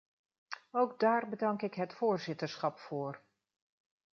Ook daar bedank ik het voorzitterschap voor.